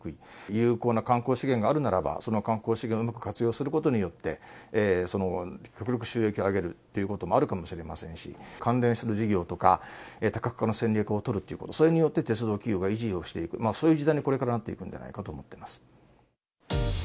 有効な観光資源があるならば、その観光資源をうまく活用することによって、極力収益を上げるということもあるかもしれませんし、関連する事業とか、多角化の戦略を取るということ、それによって鉄道企業が維持をしていく、そういう時代にこれからなっていくんじゃないかと思ってます。